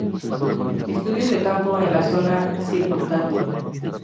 Estudios de campo en la zona circundante.